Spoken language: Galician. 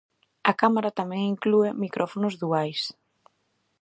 A cámara tamén inclúe micrófonos duais.